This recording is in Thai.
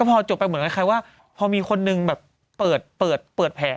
พอจบไปเหมือนคล้ายว่าพอมีคนนึงแบบเปิดแผล